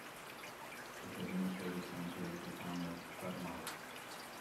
Its administrative center is the town of Trutnov.